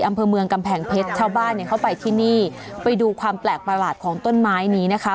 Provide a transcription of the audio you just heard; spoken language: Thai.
อำเภอเมืองกำแพงเพชรชาวบ้านเนี่ยเข้าไปที่นี่ไปดูความแปลกประหลาดของต้นไม้นี้นะคะ